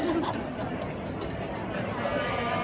มันเป็นสิ่งที่จะให้ทุกคนรู้สึกว่า